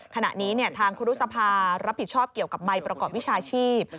ขณะนี้ทางครูรุษภารับผิดชอบเกี่ยวกับใบประกอบวิชาชีพ